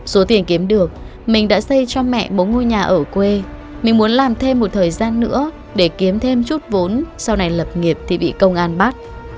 số tiền kiếm được mình đã xây cho mẹ một ngôi nhà ở quê mình muốn làm thêm một thời gian nữa để kiếm thêm chút vốn sau này lập nghiệp thì bị công an bắt